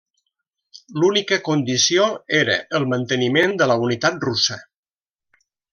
L'única condició era el manteniment de la unitat russa.